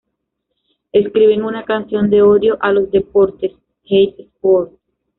Escriben una canción de odio a los deportes, "Hate sport".